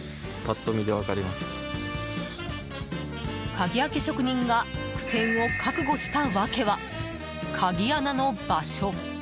鍵開け職人が苦戦を覚悟した訳は、鍵穴の場所。